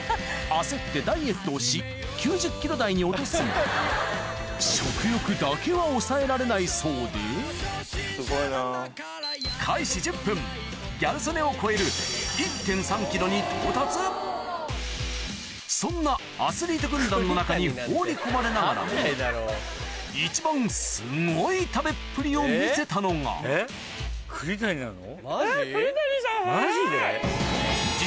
焦ってダイエットをし９０ｋｇ台に落とすもギャル曽根を超えるに到達そんなアスリート軍団の中に放り込まれながらも一番すごい食べっぷりを見せたのが栗谷なの？